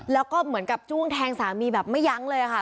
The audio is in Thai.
แล้วก็เหมือนกับจ้วงแทงสามีแบบไม่ยั้งเลยค่ะ